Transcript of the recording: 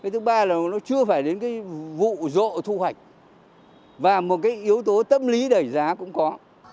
thứ ba là nó chưa phải đến cái vụ rộ thu hoạch và một cái yếu tố tâm lý đẩy giá cũng có